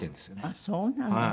あっそうなの。